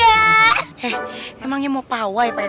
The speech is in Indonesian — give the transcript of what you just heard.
eh emangnya mau pawai pak eko